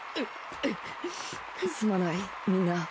すまないみんな。